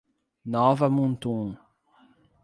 Nova Mutum